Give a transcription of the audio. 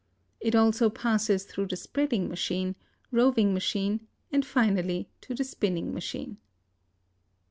It also passes through the spreading machine, roving machine and finally to the spinning machine.